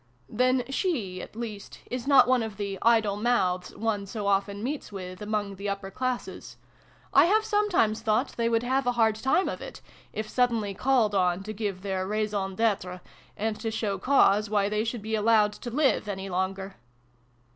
" Then she, at least, is not one of the ' idle mouths ' one so often meets with among the upper classes. I have sometimes thought they would have a hard time of it, if suddenly called on to give their raison detre, and to show cause why they should be allowed to live any longer